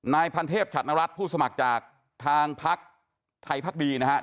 นายพันเทพฉัดนรัฐผู้สมัครจากทางพักไทยพักดีนะฮะ